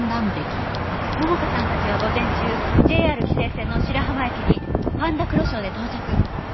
桃香さんたちは午前中ＪＲ紀勢線の白浜駅にパンダくろしおで到着。